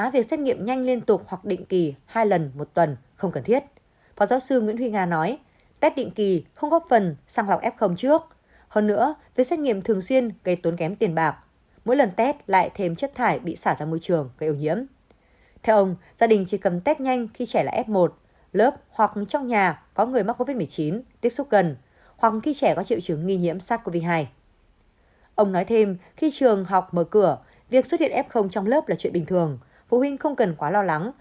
việc xuất hiện f trong lớp là chuyện bình thường phụ huynh không cần quá lo lắng